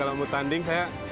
kalau mau tanding saya